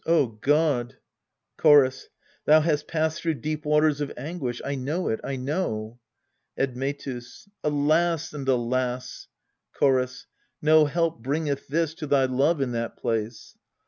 O God ! Chorus. Thou hast passed through deep waters of anguish I know it, I know. Admetus. Alas and alas ! Chorus. No help bringeth this To thy love in that place.